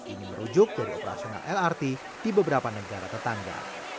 ini merujuk dari operasional lrt di beberapa negara tetangga